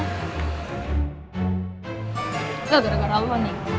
ini ada rakam rawa nih